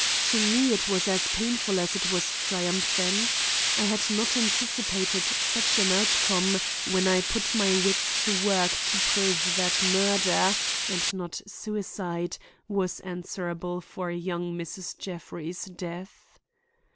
To me it was as painful as it was triumphant. I had not anticipated such an outcome when I put my wits to work to prove that murder, and not suicide, was answerable for young Mrs. Jeffrey's death.